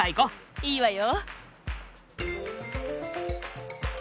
いいわよ。